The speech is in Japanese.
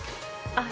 あっ